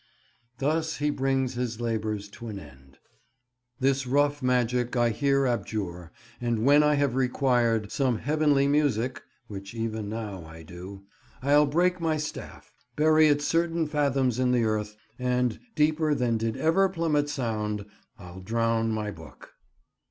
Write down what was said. Thus he brings his labours to an end— "this rough magic I here abjure; and, when I have required Some heavenly music, (which even now I do,) ... I'll break my staff, Bury it certain fathoms in the earth, And, deeper than did ever plummet sound, I'll drown my book."